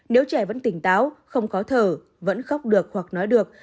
nếu trẻ vẫn tỉnh táo không khó thở vẫn khóc được hoặc nói được